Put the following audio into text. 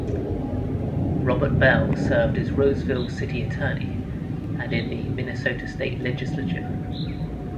Robert Bell served as Roseville City Attorney and in the Minnesota State Legislature.